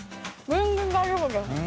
全然大丈夫です。